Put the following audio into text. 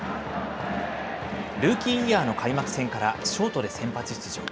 ルーキーイヤーの開幕戦からショートで先発出場。